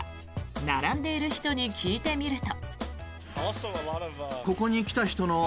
並んでいる人に聞いてみると。